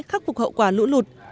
khắc phục hậu quả lũ lụt